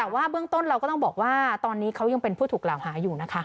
แต่ว่าเบื้องต้นเราก็ต้องบอกว่าตอนนี้เขายังเป็นผู้ถูกกล่าวหาอยู่นะคะ